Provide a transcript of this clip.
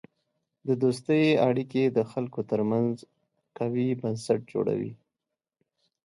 د دوستی اړیکې د خلکو ترمنځ قوی بنسټ جوړوي.